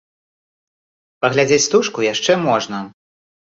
Паглядзець стужку яшчэ можна.